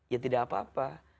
ya tidak apa apa